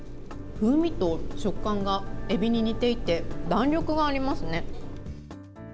風味と食感がエビに似ていて、弾力がありますね。